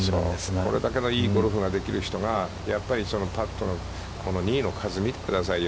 これだけのいいゴルフをできる人が、パットの、２位の数、見てくださいよ。